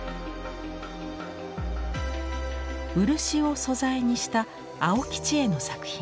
漆を素材にした青木千絵の作品。